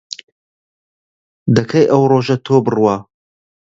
دەکەی ئەو ڕۆژە تۆ بڕوا